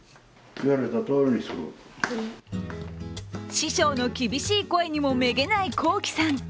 師匠の厳しい声にもめげない昂輝さん。